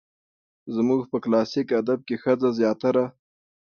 زموږ په کلاسيک ادب کې ښځه زياتره